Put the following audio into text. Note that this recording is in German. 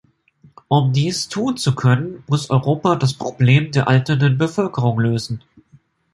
Um dies tun zu können, muss Europa das Problem der alternden Bevölkerung lösen.